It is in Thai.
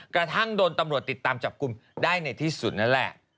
กระทั่งโดนตำรวจติดตามจับกลุ่มได้ในที่สุดนั่นแหละ